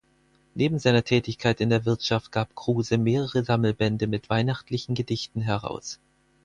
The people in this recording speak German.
Neben seiner Tätigkeit in der Wirtschaft gab Kruse mehrere Sammelbände mit weihnachtlichen Gedichten heraus.